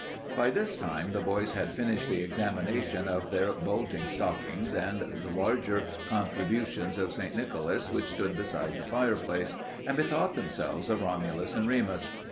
By this time the boys had finished the examination of their bulging stockings and the larger contributions of St. Nicholas which stood beside the fireplace, and bethought themselves of Romulus and Remus.